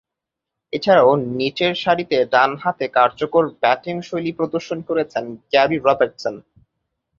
এছাড়াও, নিচেরসারিতে ডানহাতে কার্যকর ব্যাটিংশৈলী প্রদর্শন করেছেন গ্যারি রবার্টসন।